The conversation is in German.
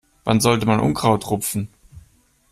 Wann sollte man Unkraut rupfen?